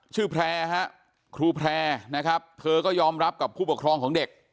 แพร่ฮะครูแพร่นะครับเธอก็ยอมรับกับผู้ปกครองของเด็ก